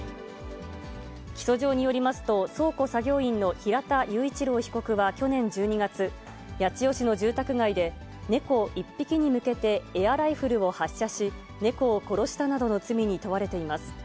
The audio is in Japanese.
起訴状によりますと、倉庫作業員の平田雄一郎被告は去年１２月、八千代市の住宅街で、猫１匹に向けて、エアライフルを発射し、猫を殺したなどの罪に問われています。